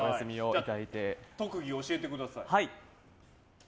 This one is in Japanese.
特技教えてください。